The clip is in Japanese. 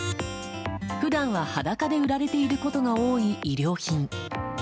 普段は裸で売られていることが多い衣料品。